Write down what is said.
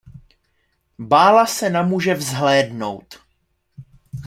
Bála se na muže vzhlédnout.